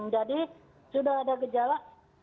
jadi sudah ada gejala